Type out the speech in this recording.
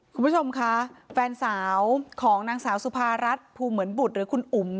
คุณผู้ชมคะแฟนสาวของนางสาวสุภารัฐภูมิเหมือนบุตรหรือคุณอุ๋ม